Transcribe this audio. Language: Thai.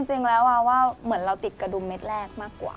จริงแล้ววาว่าเหมือนเราติดกระดุมเม็ดแรกมากกว่า